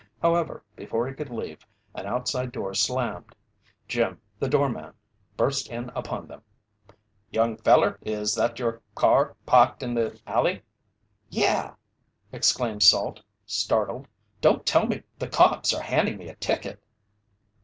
However, before he could leave, an outside door slammed. Jim, the doorman, burst in upon them. "Young feller, is that your car parked in the alley?" "Yeah!" exclaimed Salt, startled. "Don't tell me the cops are handing me a ticket!"